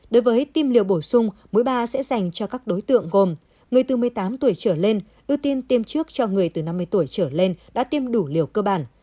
đối với tim liều bổ sung mỗi ba sẽ dành cho các đối tượng gồm người từ một mươi tám tuổi trở lên ưu tiên tiêm trước cho người từ năm mươi tuổi trở lên đã tiêm đủ liều cơ bản